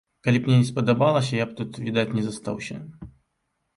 Калі б мне не падабалася, я б тут, відаць, не застаўся.